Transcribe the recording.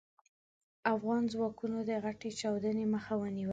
افغان ځواکونو د غټې چاودنې مخه ونيوله.